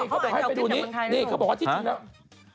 เขาบอกให้ไปดูนี่เขาบอกว่าที่ที่นี่